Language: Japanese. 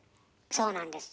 そうなんです。